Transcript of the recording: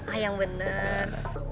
ah yang bener